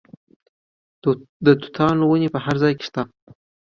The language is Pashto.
د توتانو ونې په هر ځای کې شته.